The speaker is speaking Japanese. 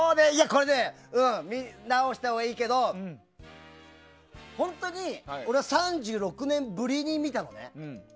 これね、見直したほうがいいけど本当に俺は３６年ぶりに見たのね。